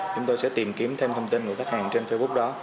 chúng tôi sẽ tìm kiếm thêm thông tin của khách hàng trên facebook đó